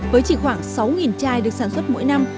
với chỉ khoảng sáu chai được sản xuất mỗi năm